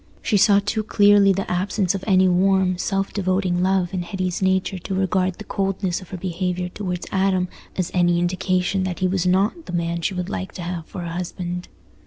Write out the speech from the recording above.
She saw too clearly the absence of any warm, self devoting love in Hetty's nature to regard the coldness of her behaviour towards Adam as any indication that he was not the man she would like to have for a husband.